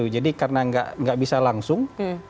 jadi karena tidak bisa langsung